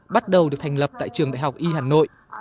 bắt đầu được thành lập tại trường đại học y hà nội